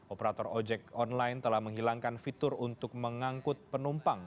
operator ojek online telah menghilangkan fitur untuk mengangkut penumpang